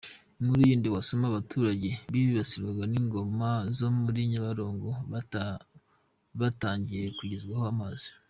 Inkuru yindi wasoma: Abaturage bibasirwaga n’ingona zo muri Nyabarongo batangiye kugezwaho amazi.